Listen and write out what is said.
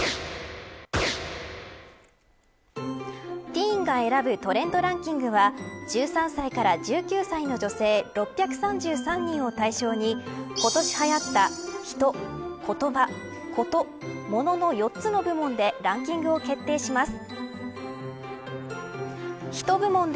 ティーンが選ぶトレンドランキングは１３歳から１９歳の女性６３３人を対象に、今年はやったヒト、コトバ、コト、モノの４つの部門でランキングを決定します。